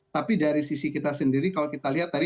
tapi dari sisi kita sendiri kalau kita lihat tadi